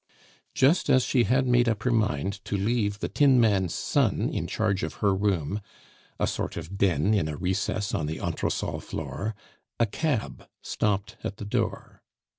Just as she had made up her mind to leave the tinman's son in charge of her room, a sort of den in a recess on the entresol floor, a cab stopped at the door.